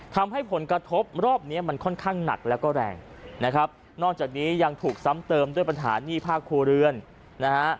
ทำให้ผลกระทบรอบเนี้ยมันค่อนข้างหนักแล้วก็แรงนะครับนอกจากนี้ยังถูกซ้ำเติมด้วยปัญหาหนี้ภาคครัวเรือนนะฮะ